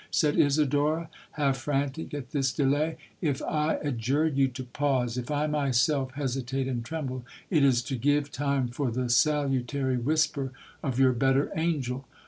said Isidora, half frantic at this delay. 'If I adjure you to pause—if I myself hesitate and tremble—it is to give time for the salutary whisper of your better angel.'